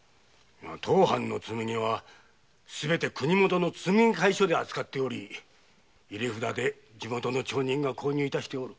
当藩の紬はすべて国もとの紬会所で扱っており入札で地元の町人が購入致しておる。